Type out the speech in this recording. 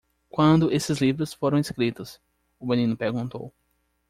"Quando esses livros foram escritos?" o menino perguntou.